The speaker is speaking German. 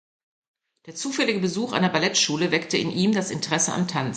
Der zufällige Besuch einer Ballettschule weckte in ihm das Interesse am Tanz.